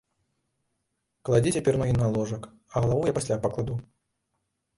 Кладзі цяпер ногі на ложак, а галаву я пасля пакладу.